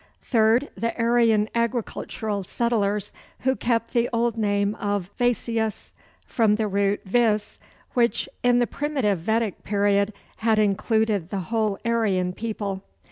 Third, the Aryan agricultural settlers, who kept the old name of Vaisyas, from the root vis, which in the primitive Vedic period had included the whole Aryan people.